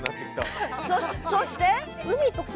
そして？